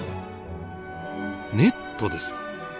ネットです。